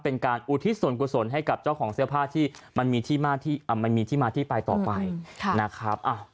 เป็นการอุทิศสนกว่าสนให้กับเจ้าของเสื้อผ้าที่มันมีที่มาที่ไปต่อไปนะครับ